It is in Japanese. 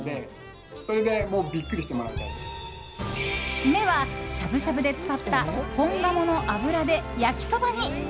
締めは、しゃぶしゃぶで使った本鴨の脂で焼きそばに。